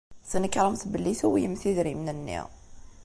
Tnekṛemt belli tuwyemt idrimen-nni.